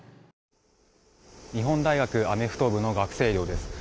日本大学アメフト部の学生寮です。